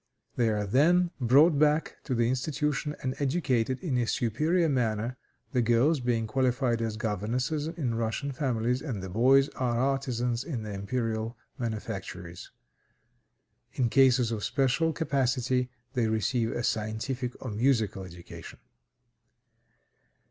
They are then brought back to the institution and educated in a superior manner; the girls being qualified as governesses in Russian families, and the boys as artisans in the imperial manufactories. In cases of special capacity, they receive a scientific or musical education.